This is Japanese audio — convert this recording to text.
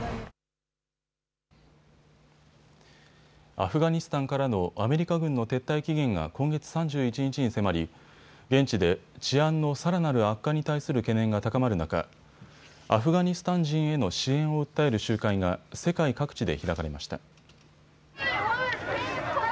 アフガニスタンからのアメリカ軍の撤退期限が今月３１日に迫り現地で治安のさらなる悪化に対する懸念が高まる中、アフガニスタン人への支援を訴える集会が世界各地で開かれました。